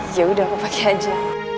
yaudah aku pake aja